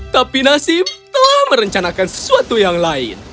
tapi nasib telah merencanakan sesuatu yang lain